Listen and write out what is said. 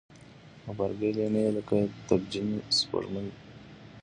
غبرګي لیمې لکه تبجنې سپوږمۍ